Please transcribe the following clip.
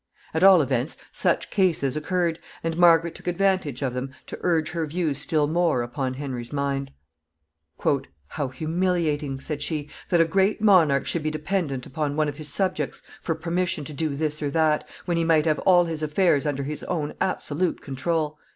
At all events, such cases occurred, and Margaret took advantage of them to urge her views still more upon Henry's mind. [Sidenote: 1446.] [Sidenote: Henry's timidity.] "How humiliating," said she, "that a great monarch should be dependent upon one of his subjects for permission to do this or that, when he might have all his affairs under his own absolute control!"